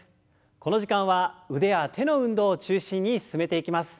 この時間は腕や手の運動を中心に進めていきます。